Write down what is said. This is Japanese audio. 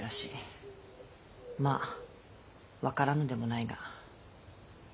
まぁ分からぬでもないが。